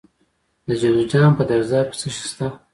د جوزجان په درزاب کې څه شی شته؟